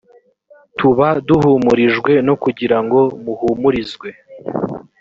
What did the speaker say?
tuba duhumurijwe no kugira ngo muhumurizwe